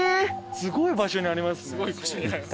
すごい場所にありますね。